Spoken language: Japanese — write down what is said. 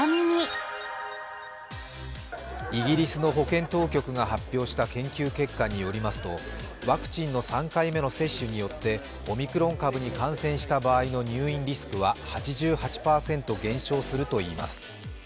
イギリスの保健当局が発表した研究結果によりますと、ワクチンの３回目の接種によってオミクロン株に感染した場合の入院リスクは８８％減少するといいます。